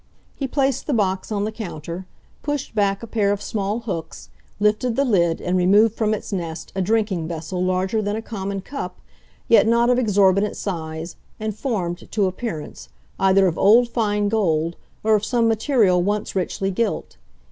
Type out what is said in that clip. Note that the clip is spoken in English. He placed the box on the counter, pushed back a pair of small hooks, lifted the lid and removed from its nest a drinking vessel larger than a common cup, yet not of exorbitant size, and formed, to appearance, either of old fine gold or of some material once richly gilt.